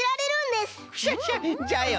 クシャシャじゃよね！